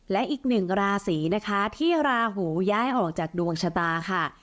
และอีกหนึ่งราศีนะคะที่ราหูย้ายออกจากดวงชะตาค่ะ